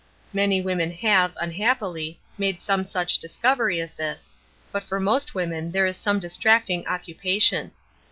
Many women have, unhappily, made some such discovery as this, but for most women there is some distracting occupation.